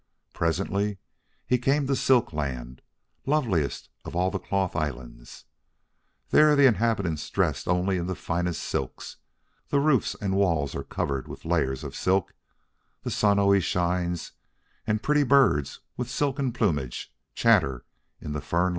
Presently he came to Silk Land, loveliest of all the Cloth Islands. There the inhabitants dress only in the finest of silks; the roofs and walls are covered with layers of silk; the sun always shines, and pretty birds with silken plumage chatter in the fern like trees.